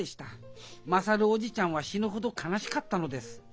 優叔父ちゃんは死ぬほど悲しかったのです。